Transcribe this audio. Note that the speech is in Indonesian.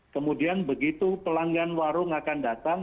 kemudian begitu pelanggan warung akan datang